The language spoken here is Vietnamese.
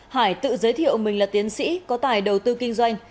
hải tự giới thiệu mình là tiến sĩ có tài đầu tư kinh doanh